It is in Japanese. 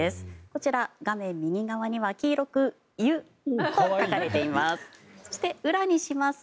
こちら、画面右側には黄色く「ゆ」と書かれています。